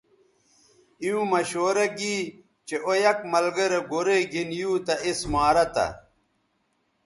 ایووں مشورہ گی چہء او یک ملگرے گورئ گِھن یُو تہ اس مارہ تھہ